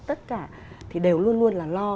tất cả thì đều luôn luôn là lo